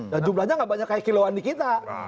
nah jumlahnya tidak banyak seperti kiloandi kita